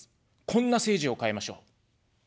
こんな政治を変えましょう。